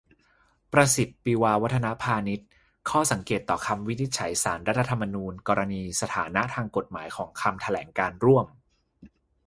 ประสิทธิ์ ปิวาวัฒนพานิช : ข้อสังเกตต่อคำวินิจฉัยศาลรัฐธรรมนูญ กรณีสถานะทางกฎหมายของคำแถลงการณ์ร่วม